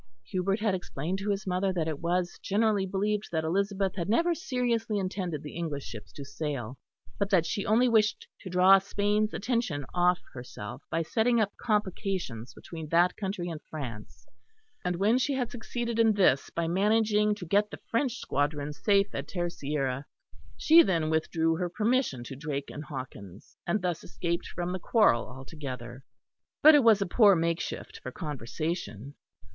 Hubert had explained to his mother that it was generally believed that Elizabeth had never seriously intended the English ships to sail, but that she only wished to draw Spain's attention off herself by setting up complications between that country and France; and when she had succeeded in this by managing to get the French squadron safe at Terceira, she then withdrew her permission to Drake and Hawkins, and thus escaped from the quarrel altogether. But it was a poor makeshift for conversation.